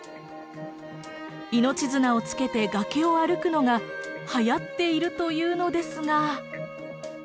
命綱をつけて崖を歩くのがはやっているというのですが。